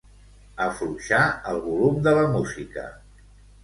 Afluixar el volum de la música.